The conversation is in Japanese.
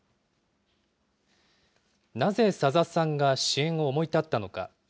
なぜ左座さんが支援を思い立ったのか。